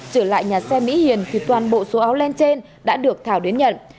trở lại nhà xe mỹ hiền thì toàn bộ số áo len trên đã được thảo đến nhận